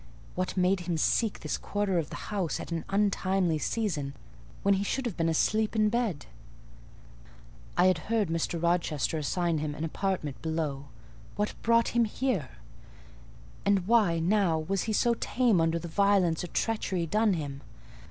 What made him seek this quarter of the house at an untimely season, when he should have been asleep in bed? I had heard Mr. Rochester assign him an apartment below—what brought him here! And why, now, was he so tame under the violence or treachery done him?